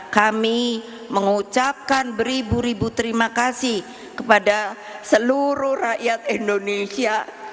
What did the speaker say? kami mengucapkan beribu ribu terima kasih kepada seluruh rakyat indonesia